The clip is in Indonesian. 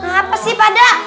apa sih pada